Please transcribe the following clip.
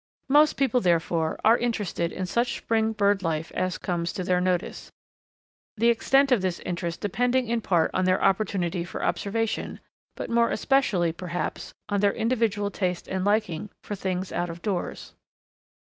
Most people, therefore, are interested in such spring bird life as comes to their notice, the extent of this interest depending in part on their opportunity for observation, but more especially, perhaps, on their individual taste and liking for things out of doors.